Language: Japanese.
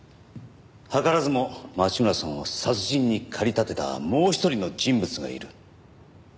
図らずも町村さんを殺人に駆り立てたもう一人の人物がいる。